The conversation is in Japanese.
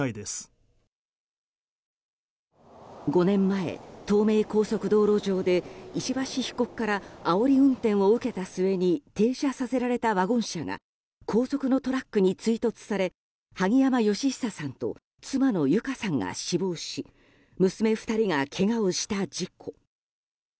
５年前、東名高速道路上で石橋被告からあおり運転を受けた末に停車させられたワゴン車が後続のトラックに追突され萩山嘉久さんと妻の友香さんが死亡し娘２人が、けがをした事故。